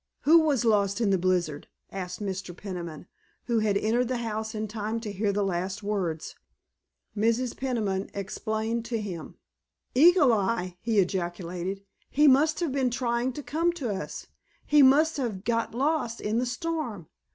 Who was lost in the blizzard?" asked Mr. Peniman, who had entered the house in time to hear the last words. Mrs. Peniman explained to him. "Eagle Eye?" he ejaculated; "he must have been trying to come to us! He must have got lost in the storm!